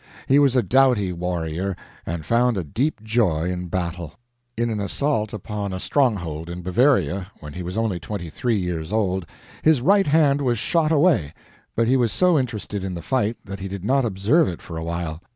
He was a doughty warrior and found a deep joy in battle. In an assault upon a stronghold in Bavaria when he was only twenty three years old, his right hand was shot away, but he was so interested in the fight that he did not observe it for a while.